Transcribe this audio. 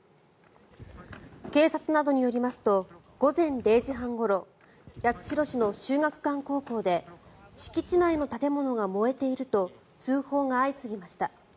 警察などによりますと午前０時半ごろ八代市の秀岳館高校で敷地内の建物が燃えていると通報が相次ぎました。